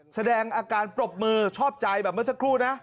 แสดงอาการปรบมือชอบใจแบบเมื่อสักครู่นะ